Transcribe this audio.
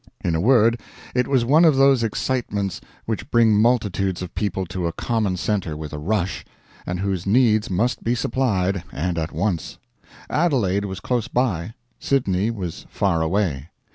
In a word, it was one of those excitements which bring multitudes of people to a common center with a rush, and whose needs must be supplied, and at once. Adelaide was close by, Sydney was far away.